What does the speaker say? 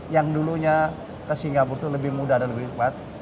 yang dulunya ke singapura itu lebih mudah dan lebih nikmat